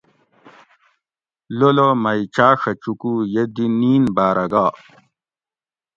لولو مئی چاڛہ چوکو یہ دی نین باۤرہ گا